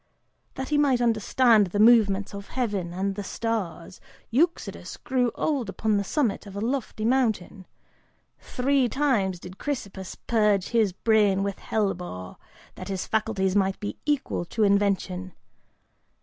That he might understand the movements of heaven and the stars, Eudoxus grew old upon the summit of a lofty mountain: three times did Chrysippus purge his brain with hellebore, that his faculties might be equal to invention.